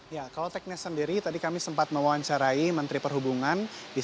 ya kalau teknis sendiri tadi kami sempat mewawancarai menteri perhubungan